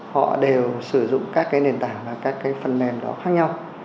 họ đều sử dụng các nền tảng và các phần mềm đó khác nhau